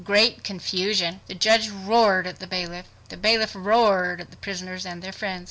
Great Confusion! The judge roared at the bailiff. The bailiff roared at the prisoners and their friends.